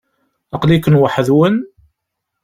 Aqli-ken waḥd-nwen?